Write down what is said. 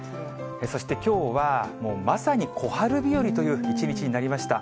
そしてきょうは、もうまさに小春日和という一日になりました。